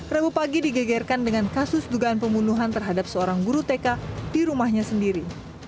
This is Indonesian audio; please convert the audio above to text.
rabu pagi digegerkan dengan kasus dugaan pembunuhan terhadap seorang guru tk di rumahnya sendiri